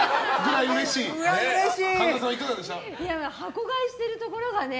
箱買いしてるところがね